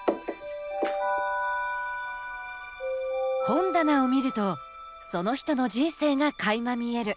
本棚を見るとその人の人生がかいま見える。